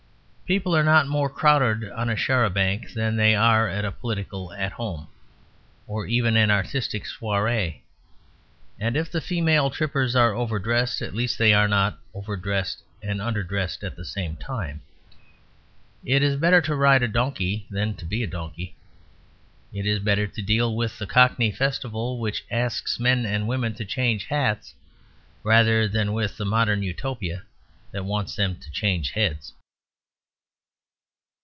People are not more crowded on a char a banc than they are at a political "At Home," or even an artistic soiree; and if the female trippers are overdressed, at least they are not overdressed and underdressed at the same time. It is better to ride a donkey than to be a donkey. It is better to deal with the Cockney festival which asks men and women to change hats, rather than with the modern Utopia that wants them to change heads.